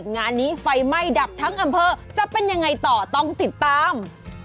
งานนี้ไฟไหม้ดับทั้งอำเภอจะเป็นยังไงต่อต้องติดตาม